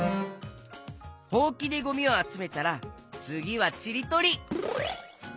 ほうきでゴミをあつめたらつぎはちりとり！